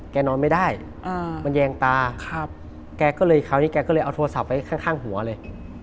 นอนไม่ได้มันแยงตาแกก็เลยคราวนี้แกก็เลยเอาโทรศัพท์ไว้ข้างหัวเลย